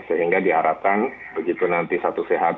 sehingga diharapkan begitu nanti satu sehat